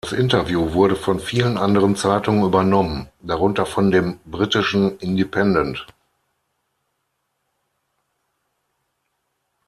Das Interview wurde von vielen anderen Zeitungen übernommen, darunter von dem britischen "Independent".